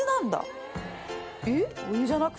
えっ？